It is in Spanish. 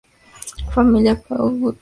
Familia Peugeot